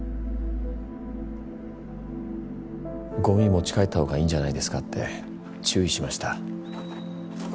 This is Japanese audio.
ごみ持ち帰ったほうがいいんじゃないですかって注意しました。